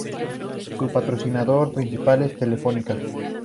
Su patrocinador principal es Telefónica.